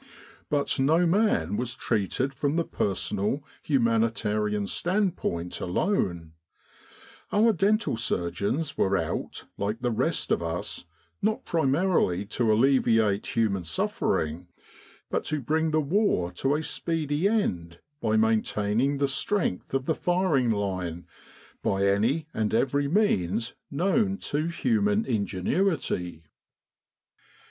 But no man was treated from the personal, humanitarian standpoint alone; our dental surgeons were out, like the rest of us, not primarily to alleviate human suffering, but to bring the war to a speedy end by maintaining the strength of the firing line by any and every means known to human ingenuity.